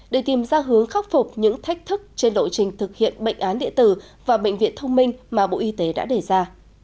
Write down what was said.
để tìm ra hướng khắc phục những thách thức trên lộ trình thực hiện bệnh án điện tử và bệnh viện thông minh mà bộ y tế đã đề ra